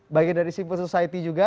bagian dari civil society juga